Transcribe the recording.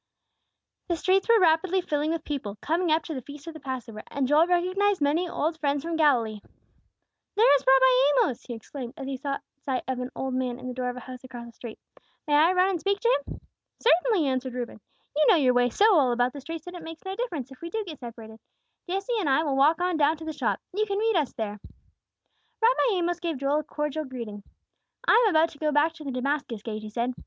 The streets were rapidly filling with people, coming up to the Feast of the Passover, and Joel recognized many old friends from Galilee. "There is Rabbi Amos!" he exclaimed, as he caught sight of an old man in the door of a house across the street. "May I run and speak to him?" "Certainly!" answered Reuben. "You know your way so well about the streets that it makes no difference if we do get separated. Jesse and I will walk on down to the shop. You can meet us there." Rabbi Amos gave Joel a cordial greeting. "I am about to go back to the Damascus gate," he said.